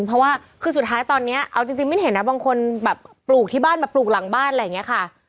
เพราะว่าคือสุดท้ายตอนนี้เอาจริงมิ้นเห็นนะบางคนแบบปลูกที่บ้านแบบปลูกหลังบ้านอะไรอย่างนี้ค่ะ